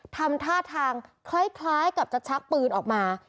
ทำท่าทางคล้ายกับจะชักปืนออกมา